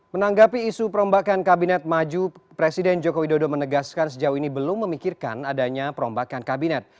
menanggapi isu perombakan kabinet maju presiden joko widodo menegaskan sejauh ini belum memikirkan adanya perombakan kabinet